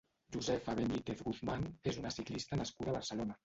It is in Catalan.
Josefa Benítez Guzmán és una ciclista nascuda a Barcelona.